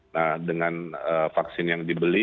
nah dengan vaksin yang dibeli